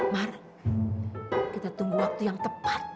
mar kita tunggu waktu yang tepat